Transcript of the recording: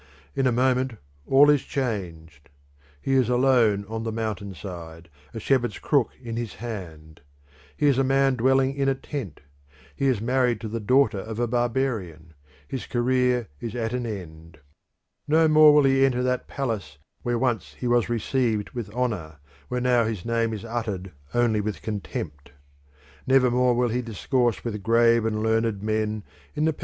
In a moment all is changed. He is alone on the mountain side, a shepherd's crook in his hand. He is a man dwelling in a tent; he is married to the daughter of a barbarian; his career is at an end. Never more will he enter that palace where once he was received with honour, where now his name is uttered only with contempt.